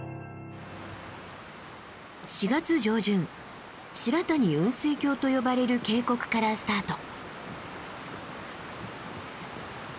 ４月上旬白谷雲水峡と呼ばれる渓谷からスタート。